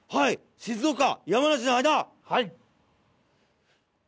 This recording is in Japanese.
静岡山梨の間！